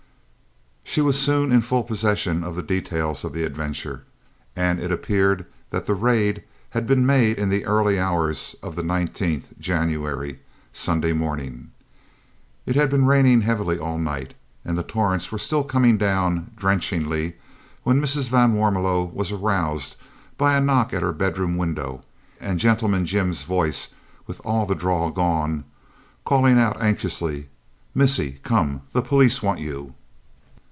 She was soon in full possession of the details of the adventure, and it appeared that the "raid" had been made in the early hours of the 19th (Jan.), Sunday morning. It had been raining heavily all night, and the torrents were still coming down drenchingly when Mrs. van Warmelo was aroused by a knock at her bedroom window and "Gentleman Jim's" voice, with all the drawl gone, calling out anxiously, "Missis, come, the police want you!"